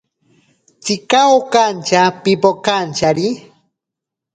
Tsika okantya pipokantyari.